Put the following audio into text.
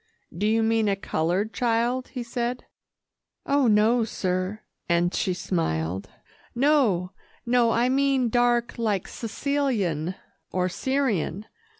"Do you mean a coloured child?" he said. "Oh, no, sir," and she smiled; "no, no I mean dark like Sicilian or Syrian.